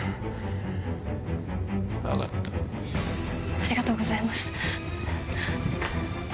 ありがとうございます。